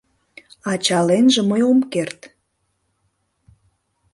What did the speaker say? Ачаленже мый ом керт